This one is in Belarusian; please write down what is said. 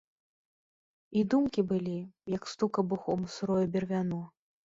І думкі былі, як стук абухом у сырое бервяно.